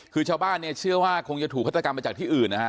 คือชาวบ้านเนี่ยเชื่อว่าคงจะถูกฆาตกรรมมาจากที่อื่นนะฮะ